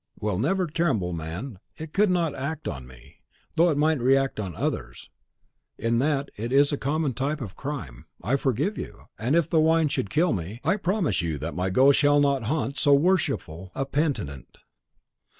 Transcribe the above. Well, never tremble, man; it could not act on me, though it might react on others; in that it is a common type of crime. I forgive you; and if the wine should kill me, I promise you that my ghost shall not haunt so worshipful a penitent.